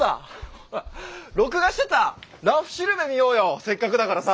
録画してた「らふしるべ」見ようよせっかくだからさ。